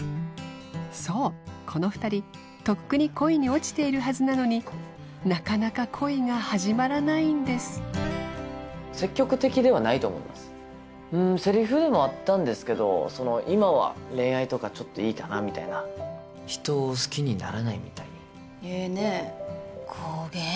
そうこの２人とっくに恋に落ちているはずなのになかなか恋が始まらないんです積極的ではないと思いますセリフでもあったんですけど今は恋愛とかちょっといいかなみたいな人を好きにならないみたいええねこげん